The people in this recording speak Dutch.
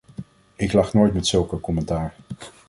Ik lach nooit met zulke commentaar.